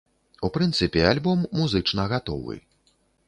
У прынцыпе альбом музычна гатовы.